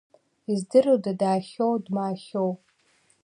Издыруада даахьоу, дмаахьоу?